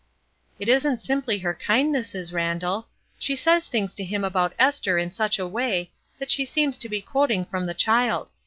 "It isn't simply her kindnesses, Randall. JORAM PRATT 67 She says things to him about Esther in such a way that she seems to be quoting from the child.